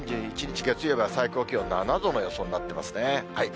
３１日月曜日は最高気温７度の予想になってますね。